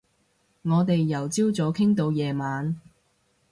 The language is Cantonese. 我哋由朝早傾到夜晚